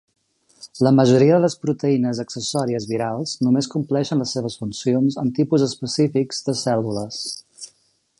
La majoria de les proteïnes accessòries virals només compleixen les seves funcions en tipus específics de cèl·lules.